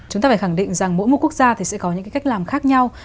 chúng ta phải khẳng định rằng mỗi một quốc gia thì sẽ có những cái cách làm khác nhau